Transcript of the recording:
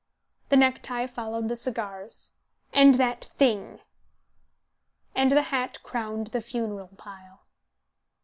The necktie followed the cigars. "And that thing;" and the hat crowned the funeral pile.